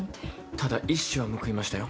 ただ一矢は報いましたよ。